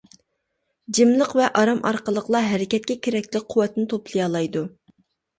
جىملىق ۋە ئارام ئارقىلىقلا ھەرىكەتكە كېرەكلىك قۇۋۋەتنى توپلىيالايدۇ.